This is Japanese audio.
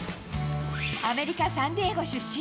アメリカ・サンディエゴ出身。